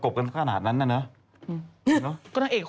โอลี่คัมรี่ยากที่ใครจะตามทันโอลี่คัมรี่ยากที่ใครจะตามทัน